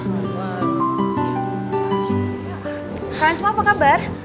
kalian semua apa kabar